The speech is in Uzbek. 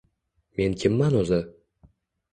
Men kimman o‘zi?